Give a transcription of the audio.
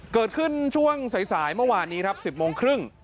เกิดขึ้นช่วงสายเมื่อวานนี้ครับ๑๐โมงครึ่ง